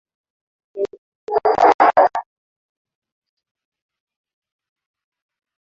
yeyote yule atakaepatikana akiandamana katika barabara